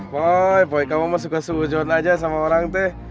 poy kamu suka seujun aja sama orang teh